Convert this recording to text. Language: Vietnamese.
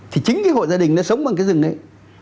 thì chính cái hộ gia đình nó sống bằng cái rừng đấy